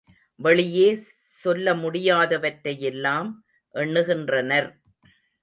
வெளியே சொல்ல முடியாதவற்றையெல்லாம் எண்ணுகின்றனர்.